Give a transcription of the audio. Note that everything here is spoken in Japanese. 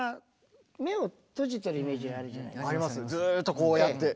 ずっとこうやって。